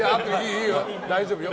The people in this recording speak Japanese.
いいよ、大丈夫よ。